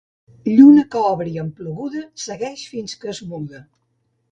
Lluna que obri amb ploguda, segueix fins que es muda.